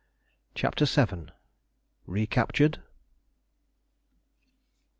CHAPTER VII. RECAPTURED?